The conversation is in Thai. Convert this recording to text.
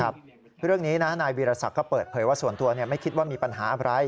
เรื่องนี้นะนายวีรศักดิ์ก็เปิดเผยว่าส่วนตัวไม่คิดว่ามีปัญหาอะไร